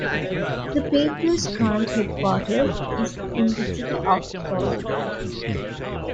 The paper's current headquarters is in the city of Gulfport.